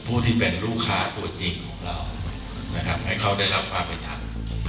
ผู้ที่เป็นลูกค้าตัวจริงของเรานะครับให้เขาได้รับความเป็นธรรม